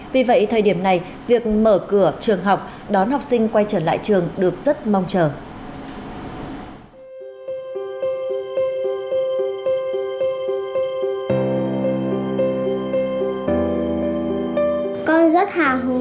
vì vậy thời điểm này việc mở trường học trực tiếp từ ngày hôm nay mùng sáu tháng bốn